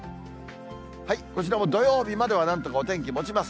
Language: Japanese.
こちらも土曜日まではなんとかお天気もちます。